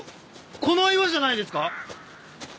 この岩じゃないですか？